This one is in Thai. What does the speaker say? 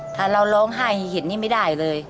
ถ้าเราร้องไห้เห็นนี่ไม่ได้เลย